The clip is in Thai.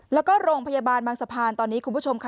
แล้วก็โรงพยาบาลบางสะพานตอนนี้คุณผู้ชมค่ะ